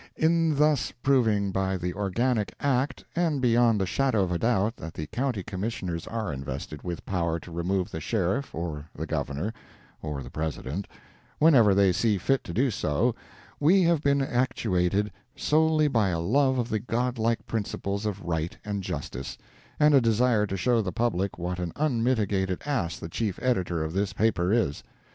In thus proving by the Organic Act, and beyond the shadow of a doubt, that the County Commissioners are invested with power to remove the Sheriff or the Governor or the President, whenever they see fit to do so, we have been actuated solely by a love of the godlike principles of right and justice, and a desire to show the public what an unmitigated ass the chief editor of this paper is.